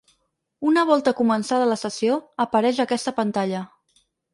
Una volta començada la sessió, apareix aquesta pantalla.